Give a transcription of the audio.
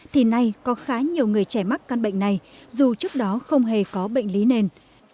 thì nay có khá nhiều người trẻ mắc căn bệnh này dù trước đó không hề có bệnh lý nền